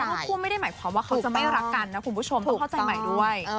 คู่ไม่ได้หมายความว่าเขาจะไม่รักกันนะคุณผู้ชมต้องเข้าใจใหม่ด้วย